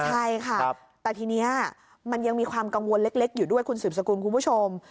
ใช่ค่ะแต่ทีนี้มันยังมีความกังวลเล็กอยู่ด้วยคุณสืบสกุลคุณผู้ชม